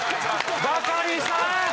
バカリさん！